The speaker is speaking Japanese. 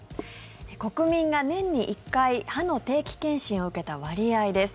国民が年に１回、歯の定期検診を受けた割合です。